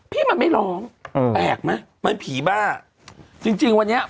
พี่มันไม่ร้องอืมแปลกไหมมันผีบ้าจริงจริงวันนี้